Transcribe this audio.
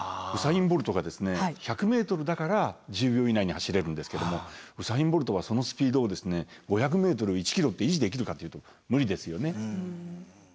ウサイン・ボルトがですね１００ｍだから１０秒以内に走れるんですけどもウサイン・ボルトはそのスピードを５００ｍ１ｋｍって維持できるかっていうと無理ですよね。